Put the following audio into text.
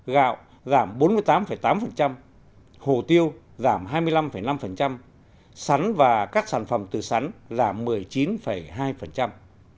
gạo giảm bốn mươi tám tám hồ tiêu giảm hai mươi năm năm sắn và các sản phẩm từ sắn giảm một mươi chín hai